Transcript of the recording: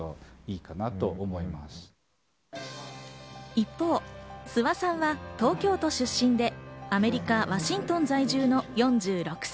一方、諏訪さんは東京都出身で、アメリカ・ワシントン在住の４６歳。